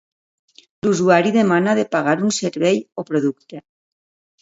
L'usuari demana de pagar un servei o producte.